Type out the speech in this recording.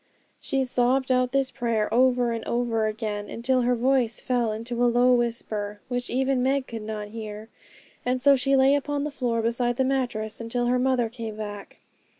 She sobbed out this prayer over and over again, until her voice fell into a low whisper which even Meg could not hear; and so she lay upon the floor beside the mattress until her mother came back.